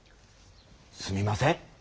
すみません。